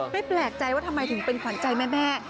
แปลกใจว่าทำไมถึงเป็นขวัญใจแม่